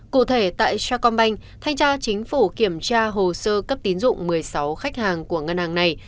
cụ thể tại sao công banh thanh tra chính phủ kiểm tra hồ sơ cấp tín dụng một mươi sáu khách hàng của ngân hàng này